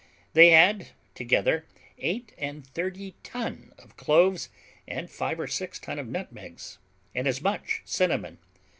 They had together eight and thirty ton of cloves, and five or six ton of nutmegs, and as much cinnamon.